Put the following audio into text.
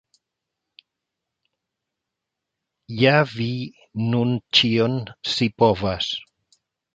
Ja vi nun ĉion scipovas!